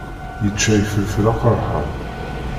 Yečča ifelfel aqeṛḥan.